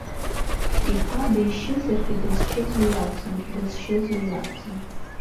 Иԥа дишьызаргьы, дызшьыз уи иакәӡам, дызшьыз уи иакәӡам!